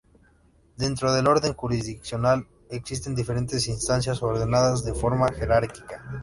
Dentro del orden jurisdiccional existen diferentes instancias ordenadas de forma jerárquica.